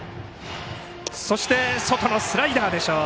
そして外のスライダーでしょう。